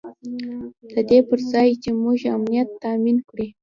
د دې پر ځای چې زموږ امنیت تامین کړي.